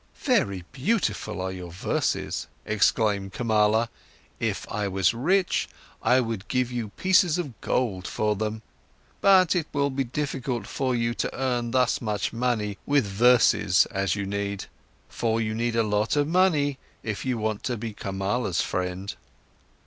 "Very beautiful are your verses," exclaimed Kamala, "if I was rich, I would give you pieces of gold for them. But it will be difficult for you to earn thus much money with verses as you need. For you need a lot of money, if you want to be Kamala's friend."